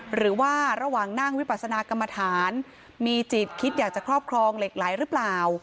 หรือว่าระหว่างนั่งวิปัสนากรรมฐานมีจิตคิดอยากจะครอบครองเหล็กไหลหรือเปล่า